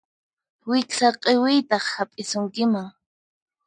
Wiksa q'iwiytaq hap'isunkiman.